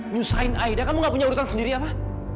nyusain aida kamu gak punya urutan sendiri apa